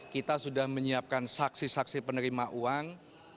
kita sudah menyiapkan saksi saksi penerima uang